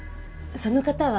その方は？